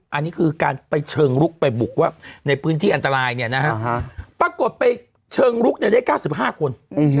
อันนี้คือการไปเชิงลุกไปบุกว่าในพื้นที่อันตรายเนี่ยนะฮะปรากฏไปเชิงลุกได้๙๕คน